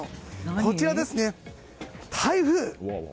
こちら、台風。